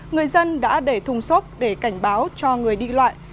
người dân đã để thùng xốp để cảnh báo cho người đi loại